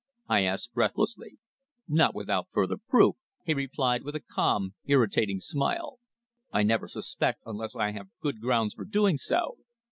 I asked breathlessly. "Not without further proof," he replied, with a calm, irritating smile. "I never suspect unless I have good grounds for doing so.